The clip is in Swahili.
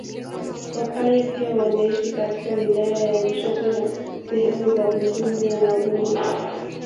Wapare pia wanaishi katika wilaya ya Lushoto na sehemu za Bumbuli na Mavumo